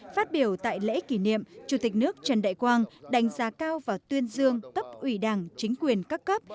phát biểu tại lễ kỷ niệm chủ tịch nước trần đại quang đánh giá cao và tuyên dương cấp ủy đảng chính quyền các cấp